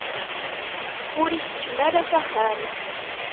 Ur ikeččem ara s axxam.